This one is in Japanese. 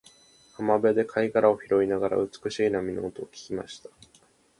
浜辺で貝殻を拾いながら、美しい波の音を聞きました。